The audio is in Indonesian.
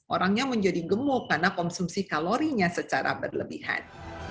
orangnya menjadi gemuk karena konsumsi kalorinya secara berlebihan